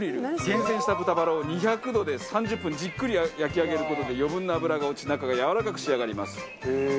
厳選した豚バラを２００度で３０分じっくり焼き上げる事で余分な脂が落ち中がやわらかく仕上がります。